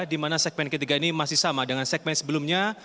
dimana segmen ketiga ini masih sama dengan segmen sebelumnya